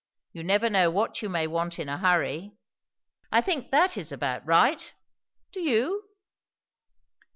You never know what you may want in a hurry. I think that is about right; do you?"